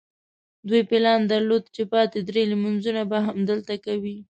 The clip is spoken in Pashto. دوی پلان درلود چې پاتې درې لمونځونه به هم دلته کوي.